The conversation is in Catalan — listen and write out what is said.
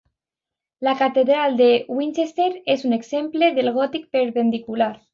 La catedral de Winchester és un exemple del gòtic perpendicular.